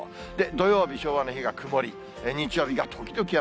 土曜日昭和の日が曇り、日曜日が時々雨。